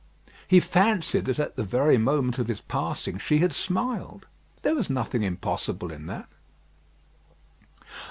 He fancied that at the very moment of his passing she had smiled. There was nothing impossible in that.